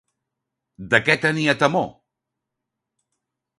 De què tenia temor?